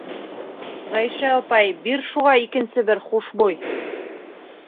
Ғәйшә апай, бир шуға икенсе бер хушбуй!